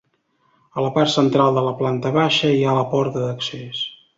A la part central de la planta baixa hi ha la porta d'accés.